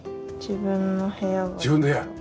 自分の部屋が。